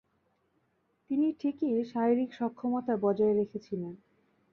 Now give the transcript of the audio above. তিনি ঠিকই শারীরিক সক্ষমতা বজায় রেখেছিলেন।